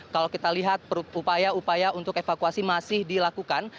kalau kita lihat upaya upaya untuk evakuasi masih dilakukan